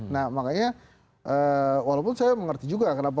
nah makanya walaupun saya mengerti juga kenapa